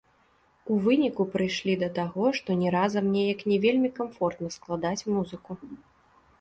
У выніку прыйшлі да таго, што не разам неяк не вельмі камфортна складаць музыку.